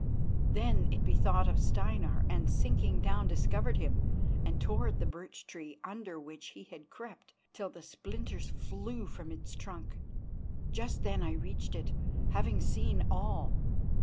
Then it bethought it of Steinar, and, sinking down, discovered him, and tore at the birch tree under which he had crept till the splinters flew from its trunk. Just then I reached it, having seen all.